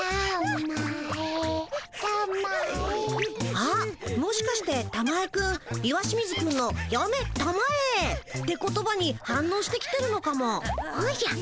あっもしかしてたまえくん石清水くんの「やめたまえ」って言葉に反のうして来てるのかも。おじゃ。